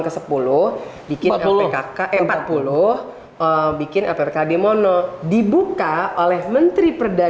kita membeli balik dan kem ciertor ngedeser teh